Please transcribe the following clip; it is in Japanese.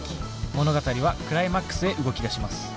物語はクライマックスへ動きだします。